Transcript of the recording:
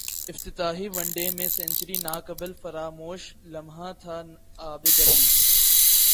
افتتاحی one day میں century ناقابل فراموش لمحہ تھاعابدعلی